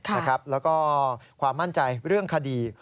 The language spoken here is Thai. แล้วก็ความมั่นใจเรื่องคดี